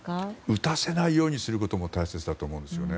撃たせないようにすることも大切だと思いますね。